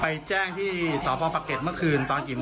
ไปแจ้งที่สพปะเก็ตเมื่อคืนตอนกี่โมง